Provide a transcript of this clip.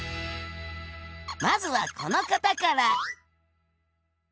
まずはこの方から。